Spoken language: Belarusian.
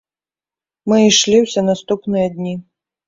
Мы ішлі ўсе наступныя дні.